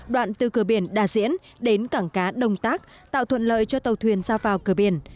đoạn từ cửa biển đà diễn đến cảng cá đồng tác tạo thuận lợi cho tàu thuyền ra vào cửa biển